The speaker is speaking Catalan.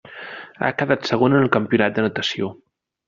Ha quedat segona en el campionat de natació.